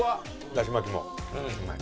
だし巻きもうまい。